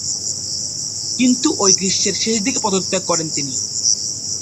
কিন্তু ঐ গ্রীষ্মের শেষদিকে পদত্যাগ করেন তিনি।